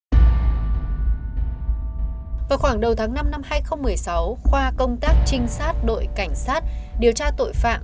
vào khoảng đầu tháng năm năm hai nghìn một mươi sáu khoa công tác trinh sát đội cảnh sát điều tra tội phạm